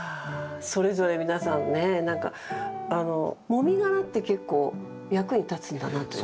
それぞれ皆さんね何かあのもみ殻って結構役に立つんだなって。